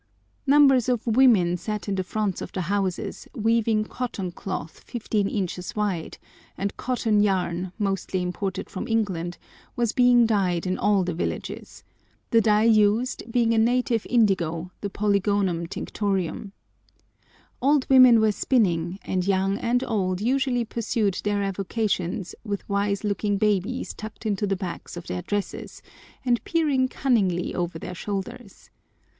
Numbers of women sat in the fronts of the houses weaving cotton cloth fifteen inches wide, and cotton yarn, mostly imported from England, was being dyed in all the villages—the dye used being a native indigo, the Polygonum tinctorium. Old women were spinning, and young and old usually pursued their avocations with wise looking babies tucked into the backs of their dresses, and peering cunningly over their shoulders.